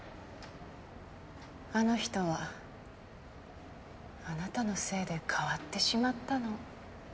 あの人はあなたのせいで変わってしまったの。